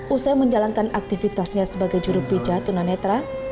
usai menjalankan aktivitasnya sebagai juru pijat tunanetra